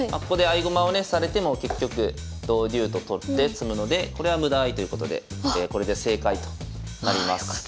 ここで合駒をねされても結局同竜と取って詰むのでこれは無駄合ということでこれで正解となります。